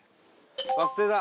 バス停だ！